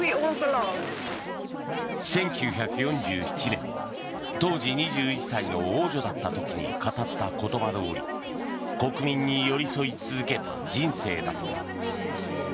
１９４７年当時２１歳の王女だった時に語った言葉どおり国民に寄り添い続けた人生だった。